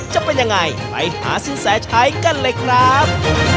จะเป็นยังไงไปหาสินแสชัยกันเลยครับ